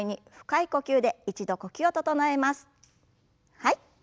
はい。